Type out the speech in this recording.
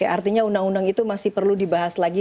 artinya undang undang itu masih perlu dibahas lagi